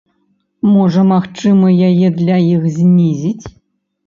Можа магчыма яе для іх знізіць?